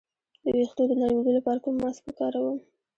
د ویښتو د نرمیدو لپاره کوم ماسک وکاروم؟